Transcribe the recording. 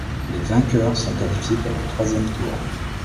Les vainqueurs sont qualifiés pour le troisième tour.